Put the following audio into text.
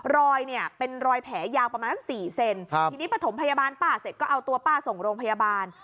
รอยเนี่ยเป็นรอยแผลยาวประมาณสัก๔เซนทีนี้ประถมพยาบาลป้าเสร็จก็เอาตัวป้าส่งโรงพยาบาล